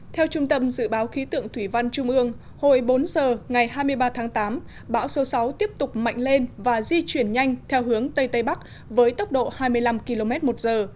theo trung tâm dự báo khí tượng thủy văn trung ương hồi bốn giờ ngày hai mươi ba tháng tám bão số sáu tiếp tục mạnh lên và di chuyển nhanh theo hướng tây tây bắc với tốc độ hai mươi năm km một giờ